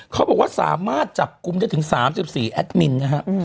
เขาบอกว่าสามารถจับกลุ่มได้ถึง๓๔แอดมินนะฮะ